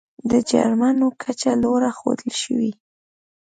د جرمونو کچه لوړه ښودل شوې.